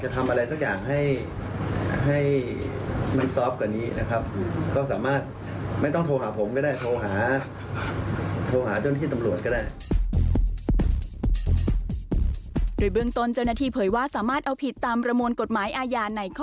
ที่มีช่วงทางตั้งแรก